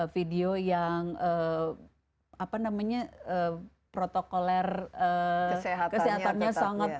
video yang apa namanya protokoler kesehatannya sangat